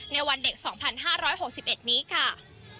ในวันเด็ก๒๕๖๑นี้ค่ะ